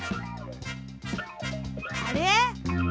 あれ？